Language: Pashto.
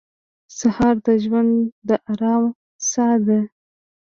سهار د ژوند د ارام ساه ده.